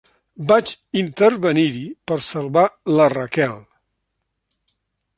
Vaig intervenir-hi per salvar la Raquel.